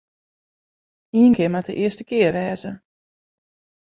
Ien kear moat de earste kear wêze.